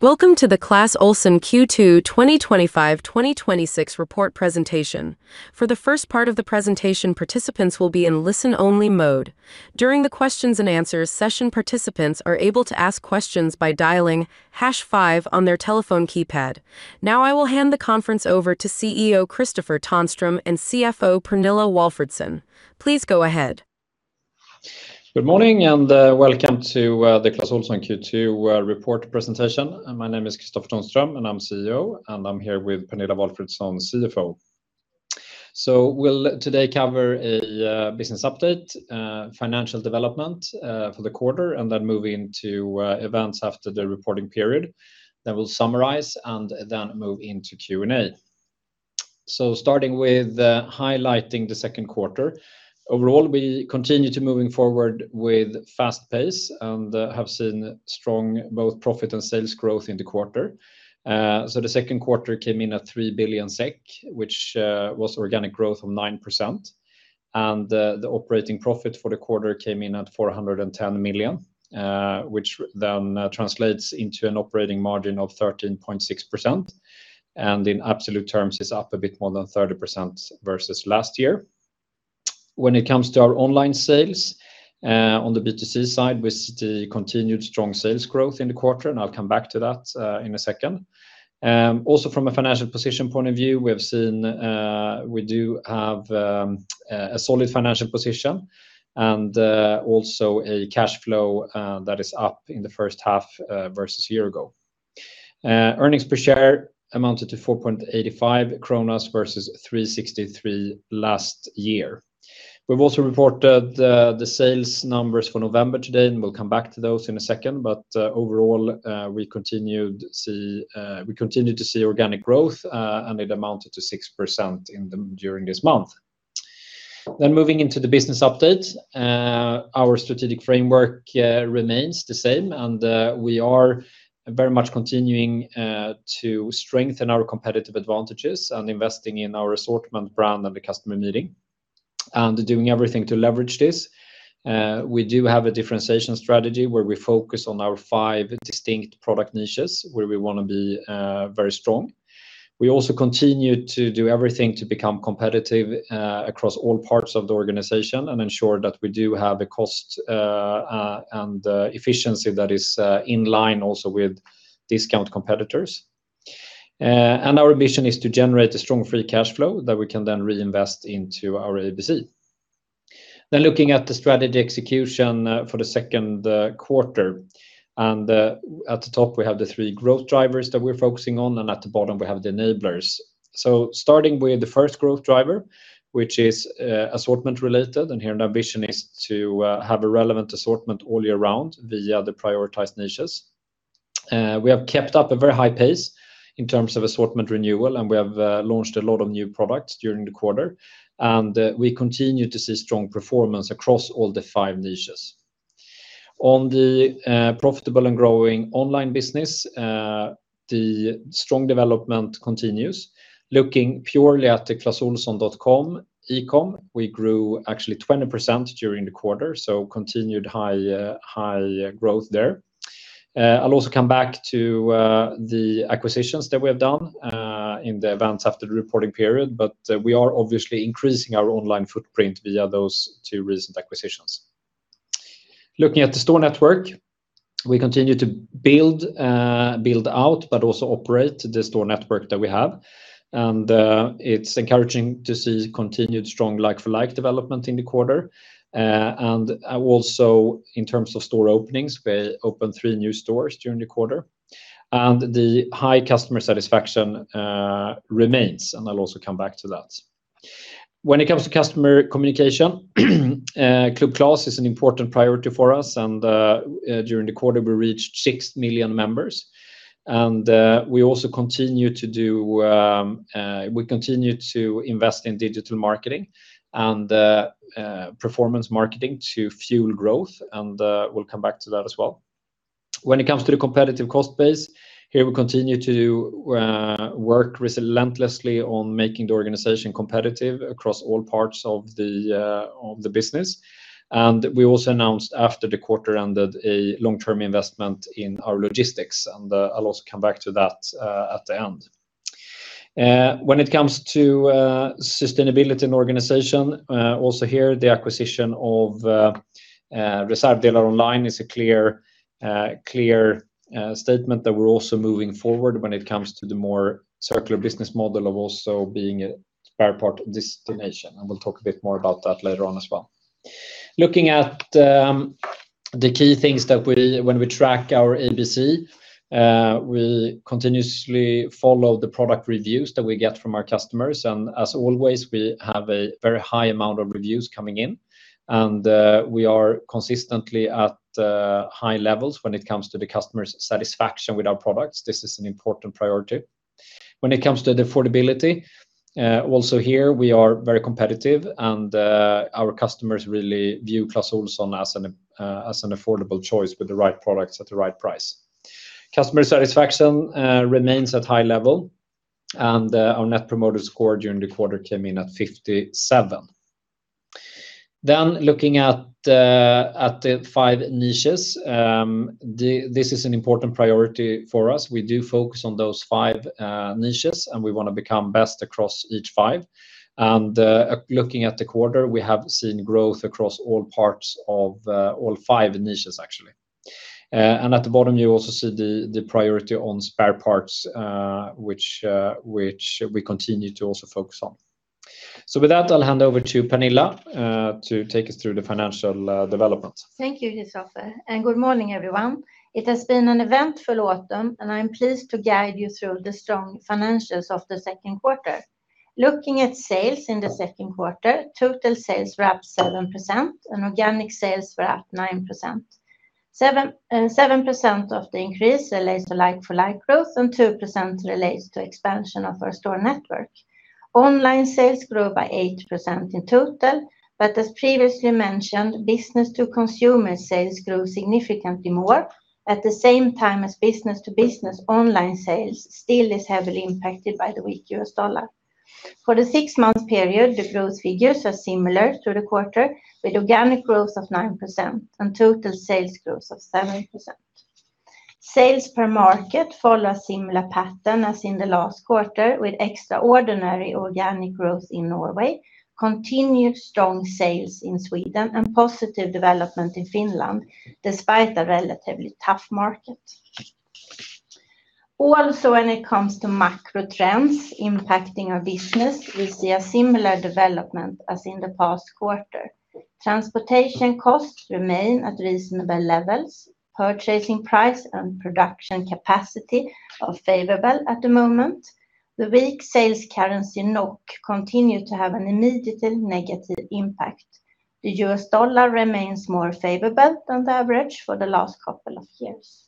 Welcome to the Clas Ohlson Q2 2025-2026 report presentation. For the first part of the presentation, participants will be in listen-only mode. During the Q&A session, participants are able to ask questions by dialing hash five on their telephone keypad. Now I will hand the conference over to CEO Kristofer Tonström and CFO Pernilla Walfridsson. Please go ahead. Good morning and welcome to the Clas Ohlson Q2 report presentation. My name is Kristofer Tonström, and I'm CEO, and I'm here with Pernilla Walfridsson, CFO. So we'll today cover a business update, financial development for the quarter, and then move into events after the reporting period. Then we'll summarize and then move into Q&A. So starting with highlighting the second quarter, overall, we continue to move forward with fast pace and have seen strong both profit and sales growth in the quarter. So the second quarter came in at 3 billion SEK, which was organic growth of 9%. And the operating profit for the quarter came in at 410 million, which then translates into an operating margin of 13.6%. And in absolute terms, it's up a bit more than 30% versus last year. When it comes to our online sales, on the B2C side, we see continued strong sales growth in the quarter, and I'll come back to that in a second. Also, from a financial position point of view, we have seen we do have a solid financial position and also a cash flow that is up in the first half versus a year ago. Earnings per share amounted to 4.85 kronor versus 3.63 last year. We've also reported the sales numbers for November today, and we'll come back to those in a second. But overall, we continued to see organic growth, and it amounted to 6% during this month. Then moving into the business update, our strategic framework remains the same, and we are very much continuing to strengthen our competitive advantages and investing in our assortment brand and the customer meeting and doing everything to leverage this. We do have a differentiation strategy where we focus on our five distinct product niches where we want to be very strong. We also continue to do everything to become competitive across all parts of the organization and ensure that we do have a cost and efficiency that is in line also with discount competitors, and our mission is to generate a strong free cash flow that we can then reinvest into our ABC, then looking at the strategy execution for the second quarter, and at the top, we have the three growth drivers that we're focusing on, and at the bottom, we have the enablers, so starting with the first growth driver, which is assortment related, and here the ambition is to have a relevant assortment all year round via the prioritized niches. We have kept up a very high pace in terms of assortment renewal, and we have launched a lot of new products during the quarter, and we continue to see strong performance across all the five niches. On the profitable and growing online business, the strong development continues. Looking purely at the clasohlson.com e-com, we grew actually 20% during the quarter, so continued high growth there. I'll also come back to the acquisitions that we have done in the events after the reporting period, but we are obviously increasing our online footprint via those two recent acquisitions. Looking at the store network, we continue to build out, but also operate the store network that we have, and it's encouraging to see continued strong like-for-like development in the quarter. And also, in terms of store openings, we opened three new stores during the quarter, and the high customer satisfaction remains, and I'll also come back to that. When it comes to customer communication, Club Clas is an important priority for us, and during the quarter, we reached six million members. And we also continue to invest in digital marketing and performance marketing to fuel growth, and we'll come back to that as well. When it comes to the competitive cost base, here we continue to work relentlessly on making the organization competitive across all parts of the business. And we also announced after the quarter ended a long-term investment in our logistics, and I'll also come back to that at the end. When it comes to sustainability and organization, also here, the acquisition of Reservdelaronline is a clear statement that we're also moving forward when it comes to the more circular business model of also being a spare part destination, and we'll talk a bit more about that later on as well. Looking at the key things that we, when we track our ABC, we continuously follow the product reviews that we get from our customers, and as always, we have a very high amount of reviews coming in, and we are consistently at high levels when it comes to the customer's satisfaction with our products. This is an important priority. When it comes to the affordability, also here, we are very competitive, and our customers really view Clas Ohlson as an affordable choice with the right products at the right price. Customer satisfaction remains at high level, and our Net Promoter Score during the quarter came in at 57. Then looking at the five niches, this is an important priority for us. We do focus on those five niches, and we want to become best across each five. And looking at the quarter, we have seen growth across all parts of all five niches, actually. And at the bottom, you also see the priority on spare parts, which we continue to also focus on. So with that, I'll hand over to Pernilla to take us through the financial development. Thank you, Kristofer, and good morning, everyone. It has been an eventful autumn, and I'm pleased to guide you through the strong financials of the second quarter. Looking at sales in the second quarter, total sales were up 7% and organic sales were up 9%. 7% of the increase relates to like-for-like growth, and 2% relates to expansion of our store network. Online sales grew by 8% in total, but as previously mentioned, business-to-consumer sales grew significantly more at the same time as business-to-business online sales still is heavily impacted by the weak U.S. dollar. For the six-month period, the growth figures are similar to the quarter, with organic growth of 9% and total sales growth of 7%. Sales per market follow a similar pattern as in the last quarter, with extraordinary organic growth in Norway, continued strong sales in Sweden, and positive development in Finland despite a relatively tough market. Also, when it comes to macro trends impacting our business, we see a similar development as in the past quarter. Transportation costs remain at reasonable levels. Purchasing price and production capacity are favorable at the moment. The weak sales currency NOK continues to have an immediate negative impact. The U.S. dollar remains more favorable than the average for the last couple of years.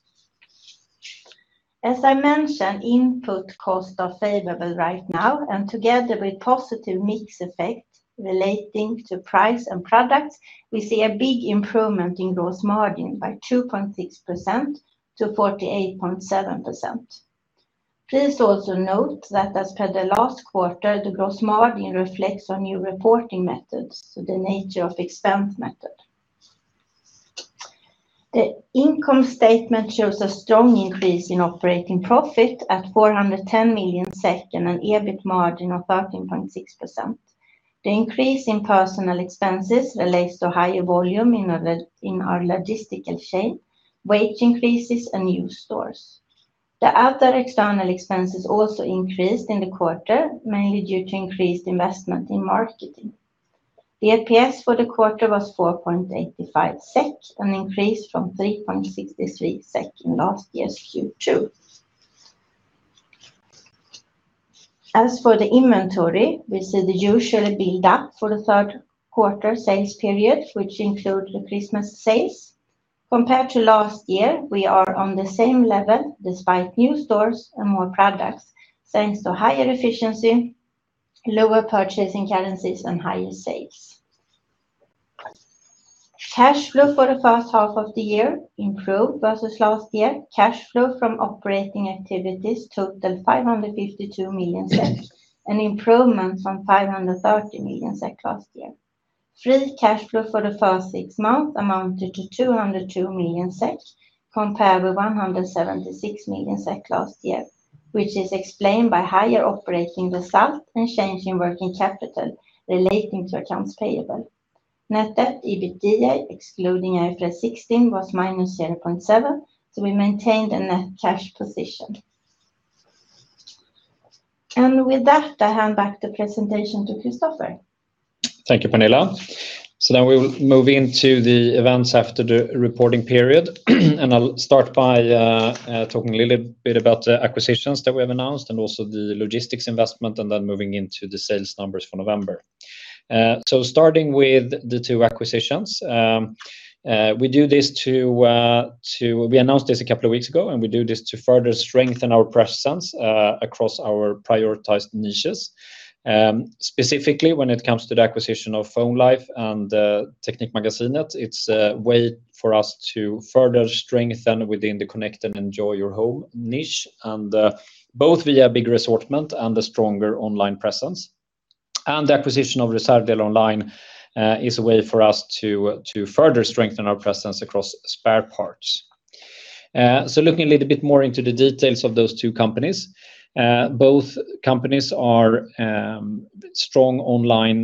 As I mentioned, input costs are favorable right now, and together with positive mix effect relating to price and products, we see a big improvement in gross margin by 2.6% to 48.7%. Please also note that as per the last quarter, the gross margin reflects on new reporting methods, so the nature of expense method. The income statement shows a strong increase in operating profit at 410 million and an EBIT margin of 13.6%. The increase in personnel expenses relates to higher volume in our logistical chain, wage increases, and new stores. The other external expenses also increased in the quarter, mainly due to increased investment in marketing. The EPS for the quarter was 4.85 SEK, an increase from 3.63 SEK in last year's Q2. As for the inventory, we see the usual build-up for the third quarter sales period, which includes the Christmas sales. Compared to last year, we are on the same level despite new stores and more products, thanks to higher efficiency, lower purchasing currencies, and higher sales. Cash flow for the first half of the year improved versus last year. Cash flow from operating activities totaled 552 million SEK, an improvement from 530 million SEK last year. Free cash flow for the first six months amounted to 202 million SEK compared with 176 million SEK last year, which is explained by higher operating result and change in working capital relating to accounts payable. Net debt EBITDA, excluding IFRS 16, was -0.7, so we maintained a net cash position, and with that, I hand back the presentation to Kristofer. Thank you, Pernilla. So then we'll move into the events after the reporting period, and I'll start by talking a little bit about the acquisitions that we have announced and also the logistics investment, and then moving into the sales numbers for November. So starting with the two acquisitions, we announced this a couple of weeks ago, and we do this to further strengthen our presence across our prioritized niches. Specifically, when it comes to the acquisition of Phonelife and Teknikmagasinet, it's a way for us to further strengthen within the connect and enjoy your home niche, both via bigger assortment and a stronger online presence, and the acquisition of Reservdelaronline is a way for us to further strengthen our presence across spare parts. So looking a little bit more into the details of those two companies, both companies are strong online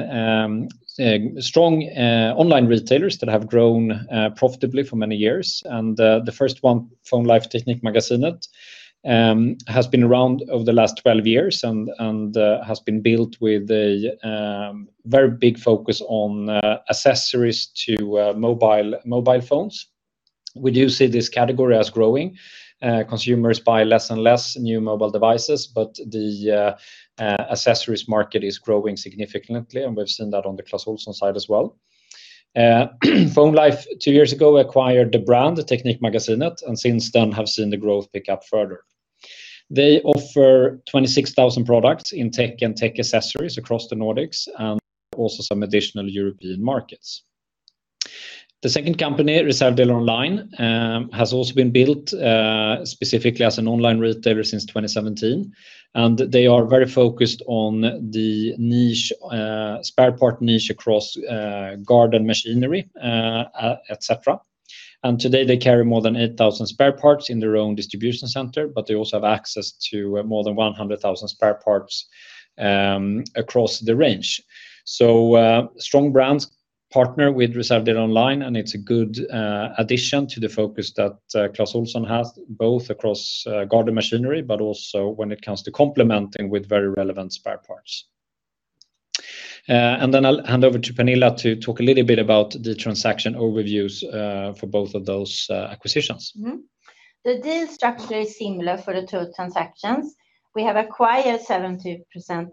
retailers that have grown profitably for many years. And the first one, Phonelife Teknikmagasinet, has been around over the last 12 years and has been built with a very big focus on accessories to mobile phones. We do see this category as growing. Consumers buy less and less new mobile devices, but the accessories market is growing significantly, and we've seen that on the Clas Ohlson side as well. Phonelife, two years ago, acquired the brand, Teknikmagasinet, and since then have seen the growth pick up further. They offer 26,000 products in tech and tech accessories across the Nordics and also some additional European markets. The second company, Reservdelaronline, has also been built specifically as an online retailer since 2017, and they are very focused on the spare part niche across garden machinery, etc., and today, they carry more than 8,000 spare parts in their own distribution center, but they also have access to more than 100,000 spare parts across the range, so strong brands partner with Reservdelaronline, and it's a good addition to the focus that Clas Ohlson has, both across garden machinery, but also when it comes to complementing with very relevant spare parts, and then I'll hand over to Pernilla to talk a little bit about the transaction overviews for both of those acquisitions. The deal structure is similar for the two transactions. We have acquired 70%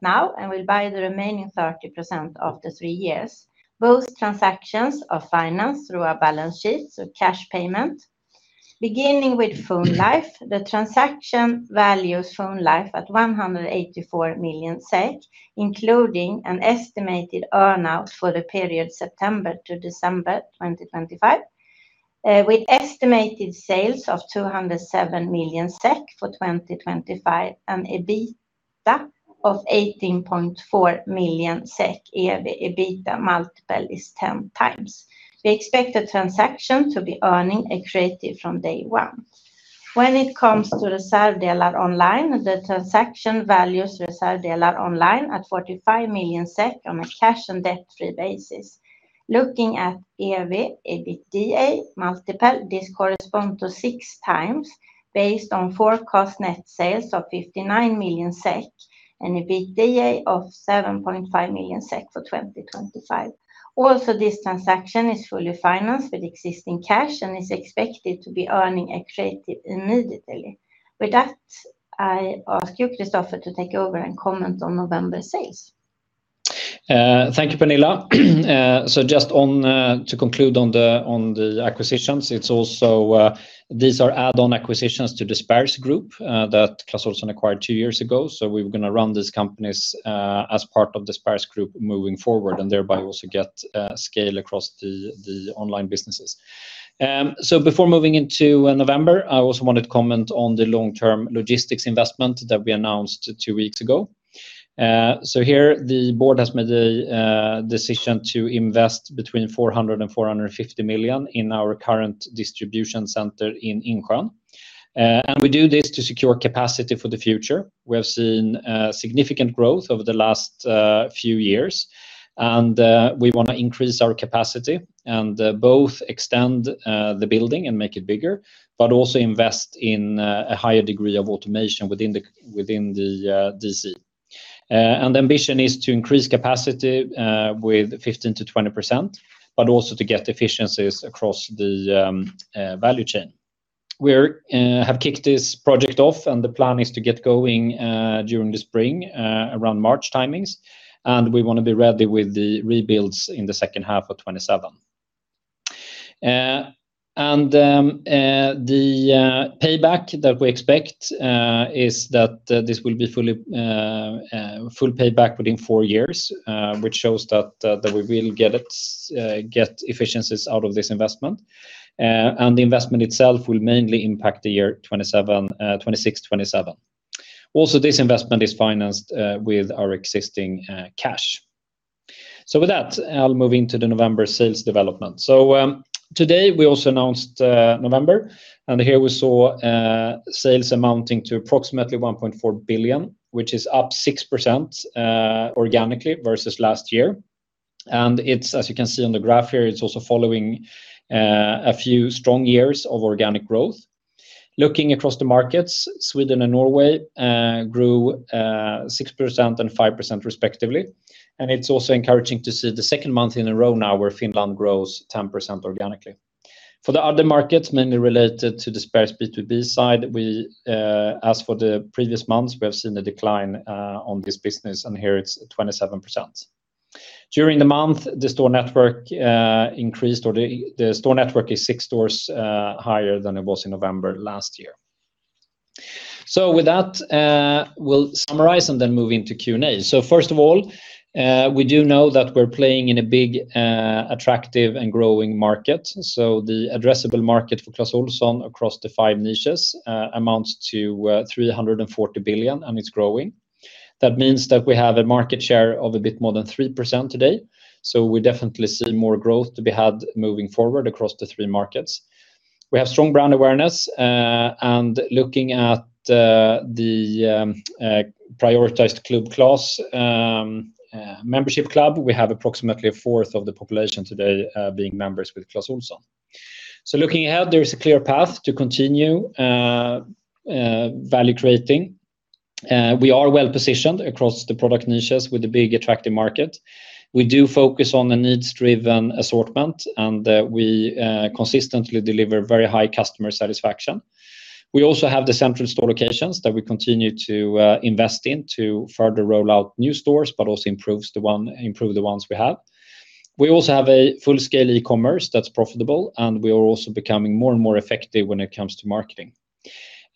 now, and we'll buy the remaining 30% after three years. Both transactions are financed through our balance sheets, so cash payment. Beginning with Phonelife, the transaction values Phonelife at 184 million SEK, including an estimated earnout for the period September to December 2025, with estimated sales of 207 million SEK for 2025, and EBITDA of 18.4 million SEK. EBITDA multiple is 10x. We expect the transaction to be earnings accretive from day one. When it comes to Reservdelaronline, the transaction values Reservdelaronline at 45 million SEK on a cash and debt-free basis. Looking at EBITDA multiple, this corresponds to 6x based on forecast net sales of 59 million SEK and EBITDA of 7.5 million SEK for 2025. Also, this transaction is fully financed with existing cash and is expected to be earnings accretive immediately. With that, I ask you, Kristofer, to take over and comment on November sales. Thank you, Pernilla. So just to conclude on the acquisitions, it's also these are add-on acquisitions to the Spares group that Clas Ohlson acquired two years ago. So we're going to run these companies as part of the Spares Group moving forward and thereby also get scale across the online businesses. So before moving into November, I also wanted to comment on the long-term logistics investment that we announced two weeks ago. So here, the board has made a decision to invest between 400 million and 450 million in our current distribution center in Insjön. And we do this to secure capacity for the future. We have seen significant growth over the last few years, and we want to increase our capacity and both extend the building and make it bigger, but also invest in a higher degree of automation within the DC. And the ambition is to increase capacity with 15%-20%, but also to get efficiencies across the value chain. We have kicked this project off, and the plan is to get going during the spring, around March timings, and we want to be ready with the rebuilds in the second half of 2027. And the payback that we expect is that this will be full payback within four years, which shows that we will get efficiencies out of this investment, and the investment itself will mainly impact the year 2026-2027. Also, this investment is financed with our existing cash. So with that, I'll move into the November sales development. So today, we also announced November, and here we saw sales amounting to approximately 1.4 billion, which is up 6% organically versus last year. It's, as you can see on the graph here, also following a few strong years of organic growth. Looking across the markets, Sweden and Norway grew 6% and 5% respectively, and it's also encouraging to see the second month in a row now where Finland grows 10% organically. For the other markets, mainly related to the Spares B2B side, as for the previous months, we have seen a decline on this business, and here it's 27%. During the month, the store network increased, or the store network is six stores higher than it was in November last year. With that, we'll summarize and then move into Q&A. First of all, we do know that we're playing in a big, attractive, and growing market. The addressable market for Clas Ohlson across the five niches amounts to 340 billion, and it's growing. That means that we have a market share of a bit more than 3% today, so we definitely see more growth to be had moving forward across the three markets. We have strong brand awareness, and looking at the prioritized Club Clas membership club, we have approximately a fourth of the population today being members with Clas Ohlson. So looking ahead, there is a clear path to continue value creating. We are well positioned across the product niches with a big, attractive market. We do focus on a needs-driven assortment, and we consistently deliver very high customer satisfaction. We also have the central store locations that we continue to invest in to further roll out new stores, but also improve the ones we have. We also have a full-scale e-commerce that's profitable, and we are also becoming more and more effective when it comes to marketing.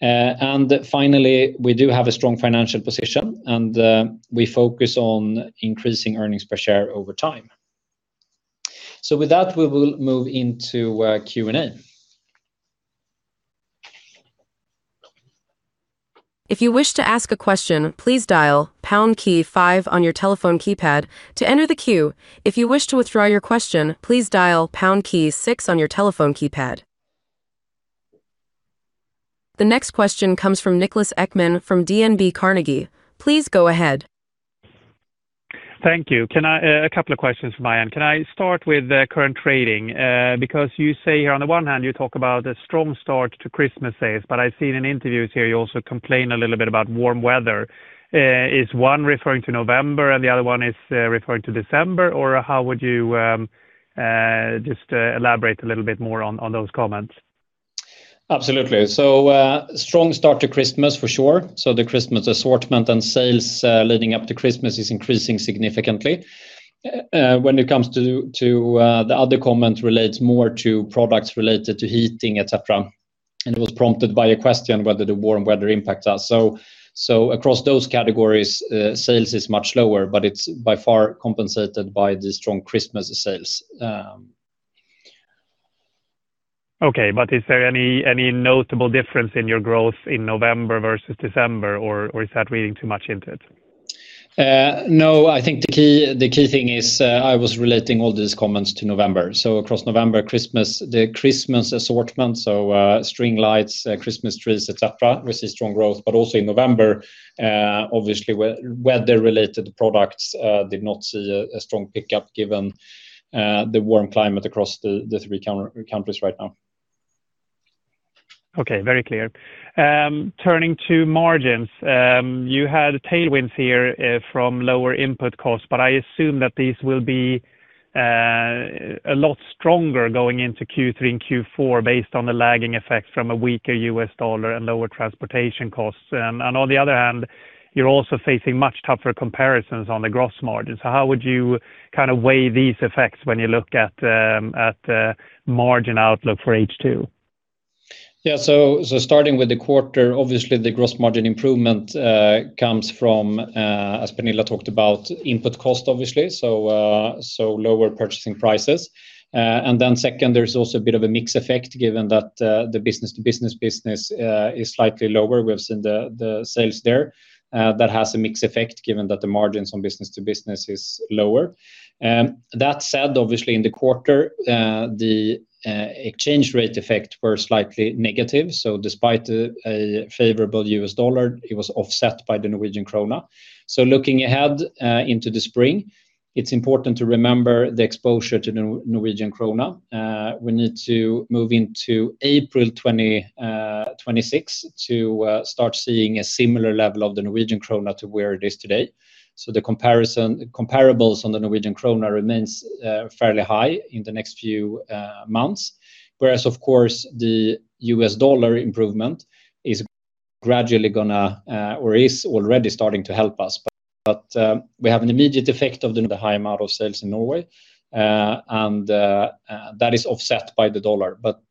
And finally, we do have a strong financial position, and we focus on increasing earnings per share over time. So with that, we will move into Q&A. If you wish to ask a question, please dial hash five on your telephone keypad to enter the queue. If you wish to withdraw your question, please dial pound key six on your telephone keypad. The next question comes from Niklas Ekman from DNB Carnegie. Please go ahead. Thank you. A couple of questions from my end. Can I start with current trading? Because you say here on the one hand, you talk about a strong start to Christmas sales, but I've seen in interviews here you also complain a little bit about warm weather. Is one referring to November, and the other one is referring to December? Or how would you just elaborate a little bit more on those comments? Absolutely, so strong start to Christmas for sure, so the Christmas assortment and sales leading up to Christmas is increasing significantly. When it comes to the other comment, it relates more to products related to heating, etc., and it was prompted by a question whether the warm weather impacts us, so across those categories, sales is much lower, but it's by far compensated by the strong Christmas sales. Okay, but is there any notable difference in your growth in November versus December, or is that reading too much into it? No, I think the key thing is I was relating all these comments to November. So across November, Christmas, the Christmas assortment, so string lights, Christmas trees, etc., we see strong growth, but also in November, obviously, weather-related products did not see a strong pickup given the warm climate across the three countries right now. Okay, very clear. Turning to margins, you had tailwinds here from lower input costs, but I assume that these will be a lot stronger going into Q3 and Q4 based on the lagging effects from a weaker U.S. dollar and lower transportation costs. And on the other hand, you're also facing much tougher comparisons on the gross margin. So, how would you kind of weigh these effects when you look at margin outlook for H2? Yeah, so starting with the quarter, obviously, the gross margin improvement comes from, as Pernilla talked about, input cost, obviously, so lower purchasing prices. And then second, there's also a bit of a mixed effect given that the business-to-business business is slightly lower. We have seen the sales there that has a mixed effect given that the margins on business-to-business is lower. That said, obviously, in the quarter, the exchange rate effect was slightly negative. So despite a favorable U.S. dollar, it was offset by the Norwegian krone. So looking ahead into the spring, it's important to remember the exposure to the Norwegian krone. We need to move into April 2026 to start seeing a similar level of the Norwegian krone to where it is today. The comparables on the Norwegian krone remain fairly high in the next few months, whereas, of course, the U.S. dollar improvement is gradually going to, or is already starting to help us. But we have an immediate effect of the high amount of sales in Norway, and that is offset by the dollar. But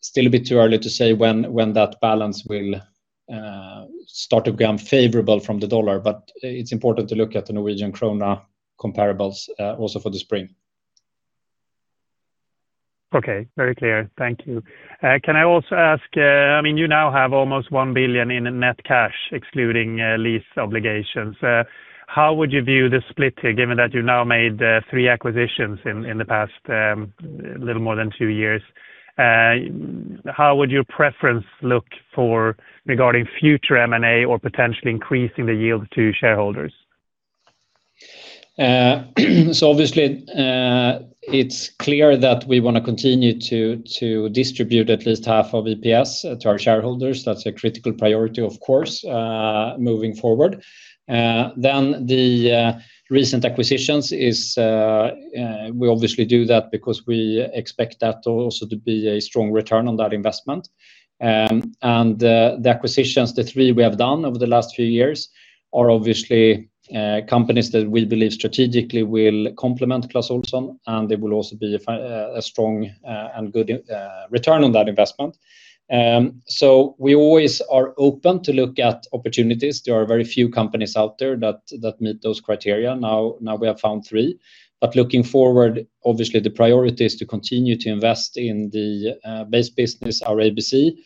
still a bit too early to say when that balance will start to become favorable from the dollar, but it's important to look at the Norwegian krone comparables also for the spring. Okay, very clear. Thank you. Can I also ask, I mean, you now have almost 1 billion in net cash, excluding lease obligations. How would you view the split here, given that you've now made three acquisitions in the past little more than two years? How would your preference look regarding future M&A or potentially increasing the yield to shareholders? Obviously, it's clear that we want to continue to distribute at least half of EPS to our shareholders. That's a critical priority, of course, moving forward. The recent acquisitions, we obviously do that because we expect that also to be a strong return on that investment. The acquisitions, the three we have done over the last few years, are obviously companies that we believe strategically will complement Clas Ohlson, and they will also be a strong and good return on that investment. We always are open to look at opportunities. There are very few companies out there that meet those criteria. Now we have found three. Looking forward, obviously, the priority is to continue to invest in the base business, our ABC,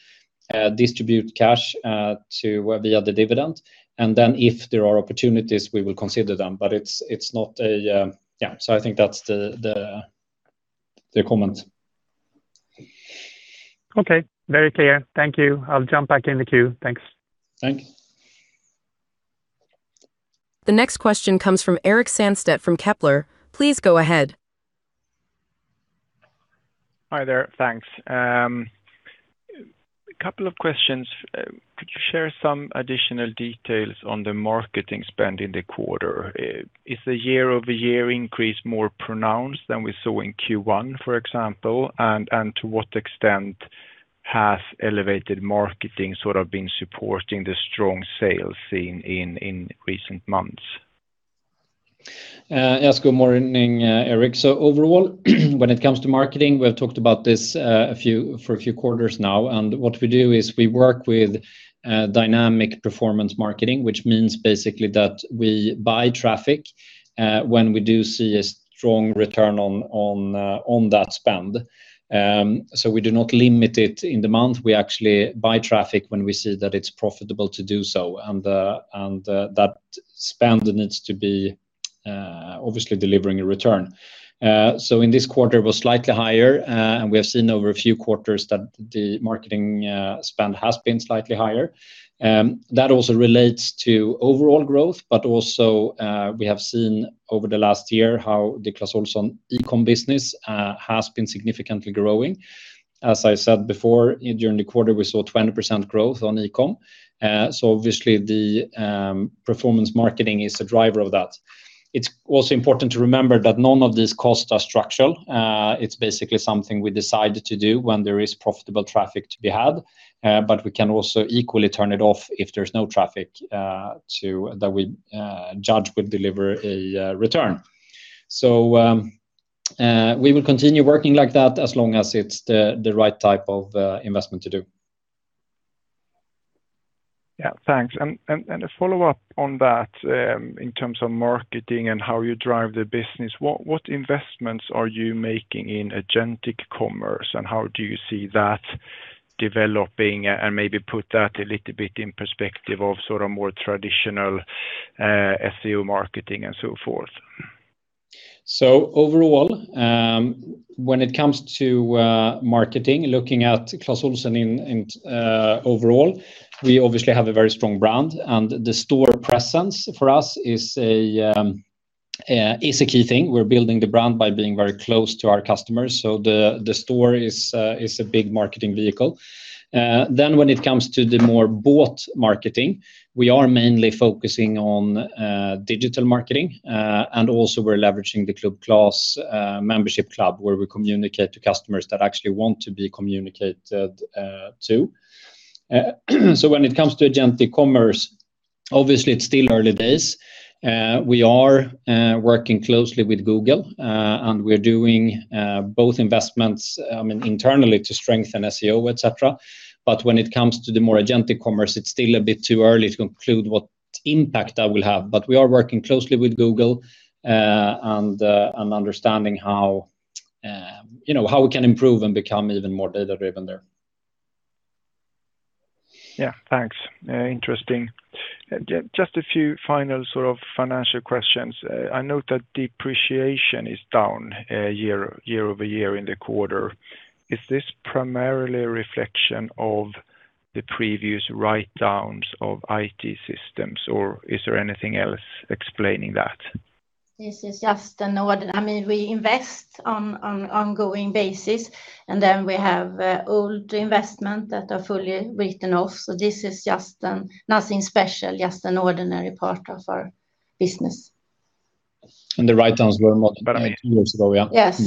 distribute cash via the dividend, and then if there are opportunities, we will consider them. But it's not, yeah, so I think that's the comment. Okay, very clear. Thank you. I'll jump back in the queue. Thanks. Thanks. The next question comes from Erik Sandstedt from Kepler. Please go ahead. Hi there, thanks. A couple of questions. Could you share some additional details on the marketing spend in the quarter? Is the year-over-year increase more pronounced than we saw in Q1, for example? And to what extent has elevated marketing sort of been supporting the strong sales seen in recent months? Yeah, good morning, Erik. So overall, when it comes to marketing, we've talked about this for a few quarters now. And what we do is we work with dynamic performance marketing, which means basically that we buy traffic when we do see a strong return on that spend. So we do not limit it in the month. We actually buy traffic when we see that it's profitable to do so, and that spend needs to be obviously delivering a return. In this quarter, it was slightly higher, and we have seen over a few quarters that the marketing spend has been slightly higher. That also relates to overall growth, but also we have seen over the last year how the Clas Ohlson e-com business has been significantly growing. As I said before, during the quarter, we saw 20% growth on e-com. So obviously, the performance marketing is a driver of that. It's also important to remember that none of these costs are structural. It's basically something we decide to do when there is profitable traffic to be had, but we can also equally turn it off if there's no traffic that we judge will deliver a return. So we will continue working like that as long as it's the right type of investment to do. Yeah, thanks. A follow-up on that in terms of marketing and how you drive the business, what investments are you making in agentic commerce, and how do you see that developing and maybe put that a little bit in perspective of sort of more traditional SEO marketing and so forth? Overall, when it comes to marketing, looking at Clas Ohlson overall, we obviously have a very strong brand, and the store presence for us is a key thing. We're building the brand by being very close to our customers, so the store is a big marketing vehicle. When it comes to the more bought marketing, we are mainly focusing on digital marketing, and also we're leveraging the Club Clas membership club where we communicate to customers that actually want to be communicated to. When it comes to agentic commerce, obviously, it's still early days. We are working closely with Google, and we're doing both investments, I mean, internally to strengthen SEO, etc. But when it comes to the more agentic commerce, it's still a bit too early to conclude what impact that will have, but we are working closely with Google and understanding how we can improve and become even more data-driven there. Yeah, thanks. Interesting. Just a few final sort of financial questions. I note that depreciation is down year-over-year in the quarter. Is this primarily a reflection of the previous write-downs of IT systems, or is there anything else explaining that? This is just an ordinary, I mean, we invest on an ongoing basis, and then we have old investment that are fully written off. So this is just nothing special, just an ordinary part of our business. And the write-downs were more than two years ago, yeah? Yes.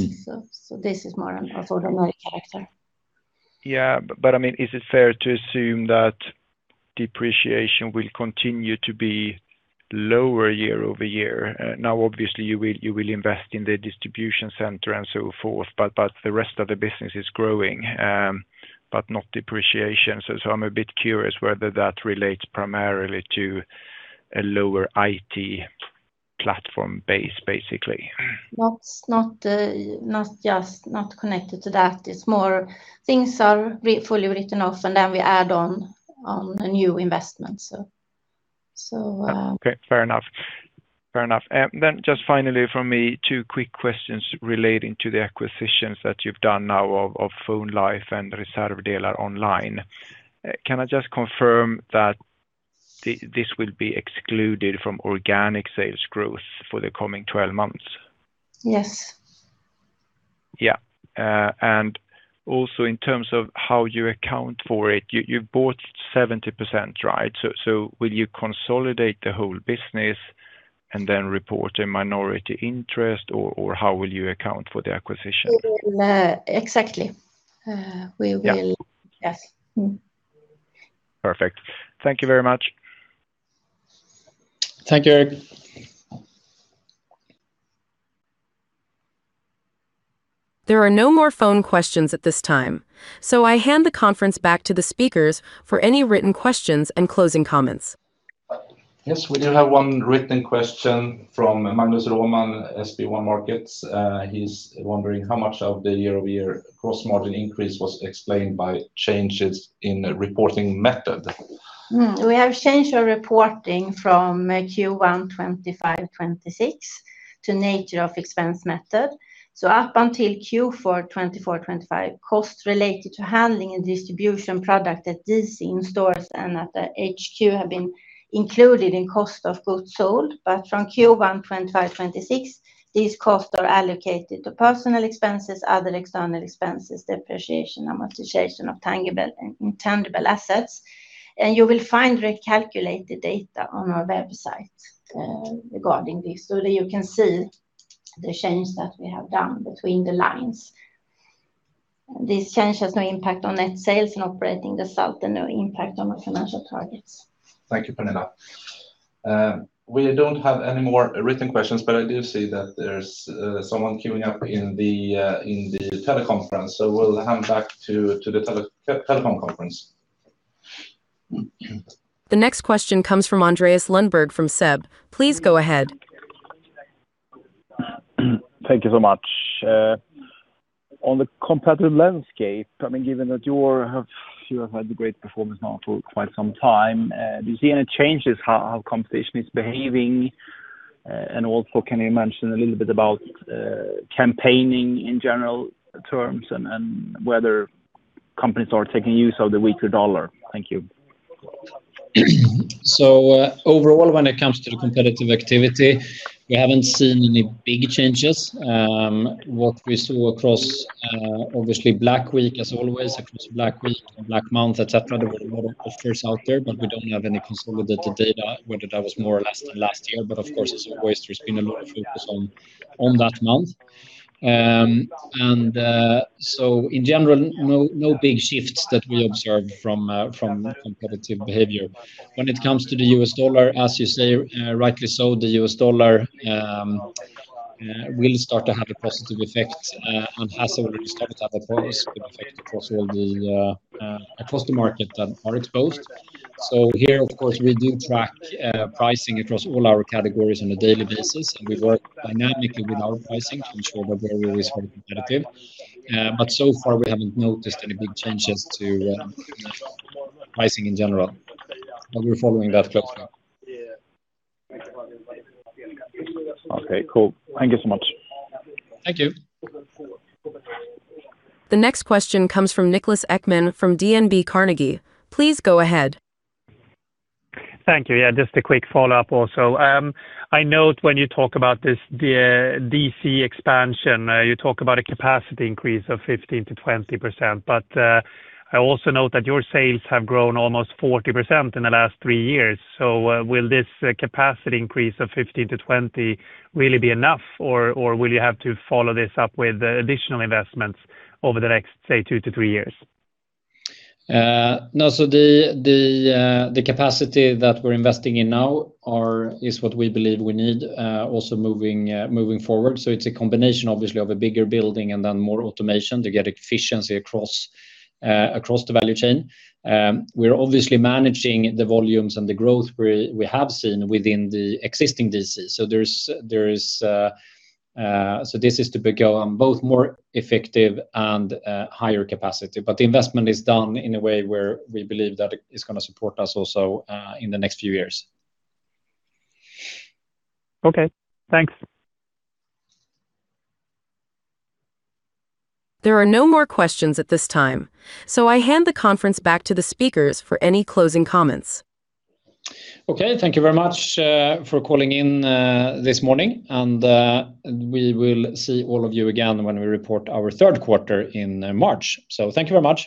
So this is more an ordinary quarter. Yeah, but I mean, is it fair to assume that depreciation will continue to be lower year-over-year? Now, obviously, you will invest in the distribution center and so forth, but the rest of the business is growing, but not depreciation. So I'm a bit curious whether that relates primarily to a lower IT platform base, basically. Not just not connected to that. It's more things are fully written off, and then we add on new investments, so. Okay, fair enough. Fair enough. Then just finally from me, two quick questions relating to the acquisitions that you've done now of Phonelife and Reservdelaronline. Can I just confirm that this will be excluded from organic sales growth for the coming 12 months? Yes. Yeah. And also in terms of how you account for it, you bought 70%, right? So will you consolidate the whole business and then report a minority interest, or how will you account for the acquisition? Exactly. We will, yes. Perfect. Thank you very much. Thank you, Erik. There are no more phone questions at this time, so I hand the conference back to the speakers for any written questions and closing comments. Yes, we do have one written question from Magnus Råman, SB1 Markets. He's wondering how much of the year-over-year gross margin increase was explained by changes in reporting method. We have changed our reporting from Q1 2025/2026 to nature of expense method. So up until Q4 2024/2025, costs related to handling and distribution product at DC in stores and at HQ have been included in cost of goods sold, but from Q1 2025/2026, these costs are allocated to personal expenses, other external expenses, depreciation, amortization of tangible and intangible assets. And you will find recalculated data on our website regarding this, so that you can see the change that we have done between the lines. This change has no impact on net sales and operating result and no impact on our financial targets. Thank you, Pernilla. We don't have any more written questions, but I do see that there's someone queuing up in the teleconference, so we'll hand back to the teleconference. The next question comes from Andreas Lundberg from SEB. Please go ahead. Thank you so much. On the competitive landscape, I mean, given that you have had a great performance now for quite some time, do you see any changes how competition is behaving? And also can you mention a little bit about campaigning in general terms and whether companies are taking use of the weaker dollar? Thank you. So overall, when it comes to the competitive activity, we haven't seen any big changes. What we saw across, obviously, Black Week, as always, across Black Week and Black Month, etc., there were a lot of offers out there, but we don't have any consolidated data, whether that was more or less than last year. But of course, as always, there's been a lot of focus on that month. And so in general, no big shifts that we observe from competitive behavior. When it comes to the U.S. dollar, as you say rightly so, the U.S. dollar will start to have a positive effect and has already started to have a positive effect across the market that are exposed. So here, of course, we do track pricing across all our categories on a daily basis, and we work dynamically with our pricing to ensure that we're always very competitive. But so far, we haven't noticed any big changes to pricing in general, but we're following that closely. Okay, cool. Thank you so much. Thank you. The next question comes from Niklas Ekman from DNB Carnegie. Please go ahead. Thank you. Yeah, just a quick follow-up also. I note when you talk about this DC expansion, you talk about a capacity increase of 15%-20%, but I also note that your sales have grown almost 40% in the last three years. So will this capacity increase of 15%-20% really be enough, or will you have to follow this up with additional investments over the next, say, two to three years? No, so the capacity that we're investing in now is what we believe we need also moving forward. So it's a combination, obviously, of a bigger building and then more automation to get efficiency across the value chain. We're obviously managing the volumes and the growth we have seen within the existing DC. So this is to become both more effective and higher capacity, but the investment is done in a way where we believe that it's going to support us also in the next few years. Okay, thanks. There are no more questions at this time, so I hand the conference back to the speakers for any closing comments. Okay, thank you very much for calling in this morning, and we will see all of you again when we report our third quarter in March. So thank you very much.